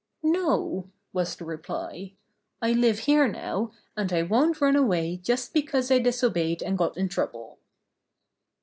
"No," was the reply. "I live here now, and I won't run away just because I disobeyed and got in trouble."